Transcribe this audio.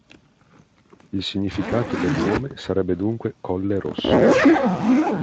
Il significato del nome sarebbe dunque “colle rosso”.